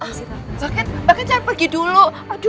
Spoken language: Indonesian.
gak apa apa mbak cat jangan pergi dulu